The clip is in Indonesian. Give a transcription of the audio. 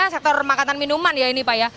sektor makanan minuman ya ini pak ya